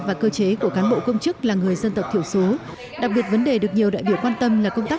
và cơ chế của cán bộ công chức là người dân tộc thiểu số đặc biệt vấn đề được nhiều đại biểu quan tâm là công tác